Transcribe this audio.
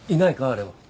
あれは。